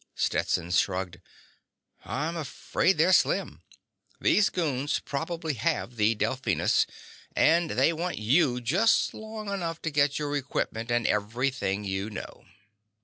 Stetson shrugged. "I'm afraid they're slim. These goons probably have the Delphinus, and they want you just long enough to get your equipment and everything you know."